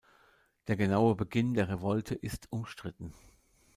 Der genaue Beginn der Revolte ist umstritten.